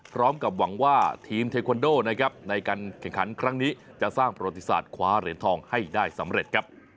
พร้อมกับหวังว่าทีมเทควันโดนะครับในการแข่งขันครั้งนี้จะสร้างประวัติศาสตร์คว้าเหรียญทองให้ได้สำเร็จครับ